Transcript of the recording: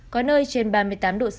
có nơi trên ba mươi tám độ c